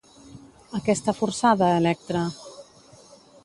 A què està forçada, Electra?